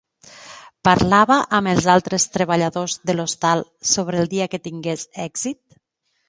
Parlava amb els altres treballadors de l'hostal sobre el dia que tingués èxit?